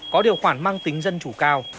có điều khoản mang tính dân chủ cao